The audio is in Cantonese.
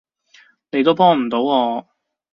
你都幫唔到我